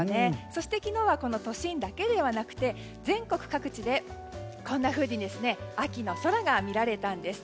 そして昨日は都心だけではなくて全国各地でこんなふうに秋の空が見られたんです。